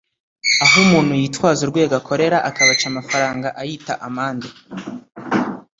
aho umuntu yitwaza urwego akorera akabaca amafaranga ayita amande